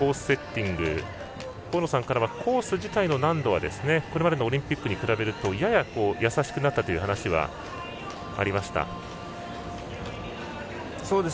セッティング河野さんからはコース自体の難度はこれまでのオリンピックに比べるとやや易しくなったという話はありました。